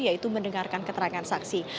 yaitu mendengarkan keterangan saksi